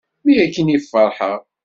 Mi akken i ferḥeɣ.